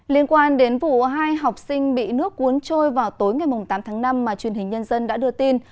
liên quan đến vụ hai học sinh bị nước cuốn trôi vào tối ngày tám tháng năm mà truyền hình nhân dân đã đưa tin